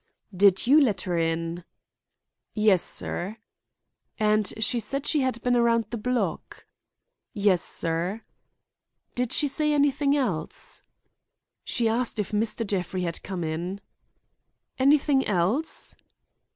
"Did you let her in?" "Yes, sir." "And she said she had been around the block?" "Yes, sir" "Did she say anything else?" "She asked if Mr. Jeffrey had come in" "Anything else?"